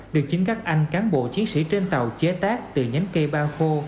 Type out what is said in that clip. được chính các anh cán bộ chiến sĩ trên tàu chế tác từ nhánh cây ba khô